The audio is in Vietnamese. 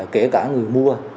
kể cả người mua